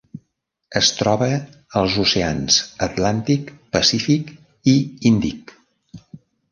Es troba als oceans Atlàntic, Pacífic i Índic.